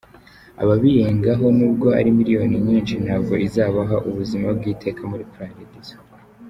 Ababirengaho, nubwo ari miliyoni nyinshi, ntabwo izabaha ubuzima bw’iteka muli paradizo.